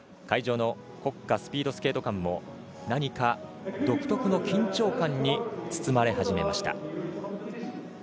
会場の国家スピードスケート館も何か、独特の緊張感に包まれ始めました。